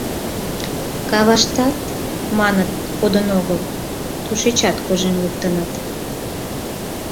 Каваштат, маныт, кодын огыл, тушечат кожен луктыныт.